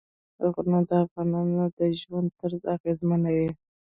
غرونه د افغانانو د ژوند طرز اغېزمنوي.